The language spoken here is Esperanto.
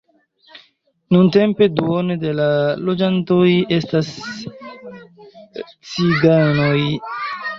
Nuntempe duono de la loĝantoj estas ciganoj.